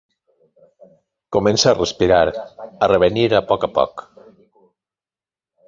Comença a respirar, a revenir a poc a poc.